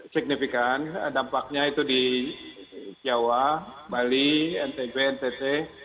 signifikan dampaknya itu di jawa bali ntb ntt